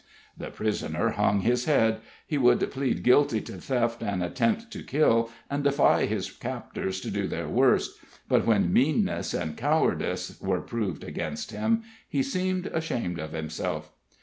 The prisoner hung his head; he would plead guilty to theft and attempt to kill, and defy his captors to do their worst; but when meanness and cowardice were proved against him, he seemed ashamed of himself.